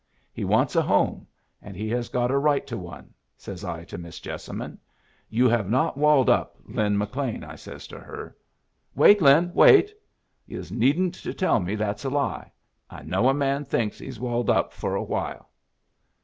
He wants a home, and he has got a right to one,' says I to Miss Jessamine. 'You have not walled up Lin McLean,' I says to her. Wait, Lin, wait. Yus needn't to tell me that's a lie. I know a man thinks he's walled up for a while."